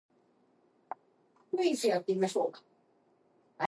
Each single test is known as a Test Point.